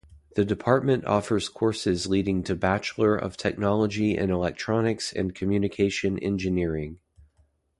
The department offers courses leading to Bachelor of Technology in Electronics and Communication Engineering.